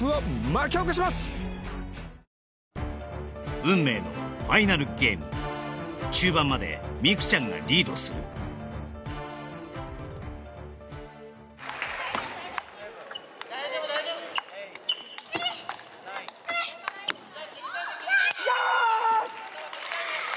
運命のファイナルゲーム中盤まで美空ちゃんがリードするヤー！